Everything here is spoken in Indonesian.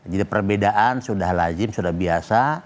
jadi perbedaan sudah lajim sudah biasa